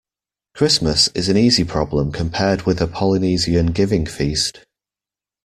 Christmas is an easy problem compared with a Polynesian giving-feast.